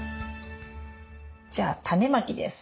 じゃあタネまきです。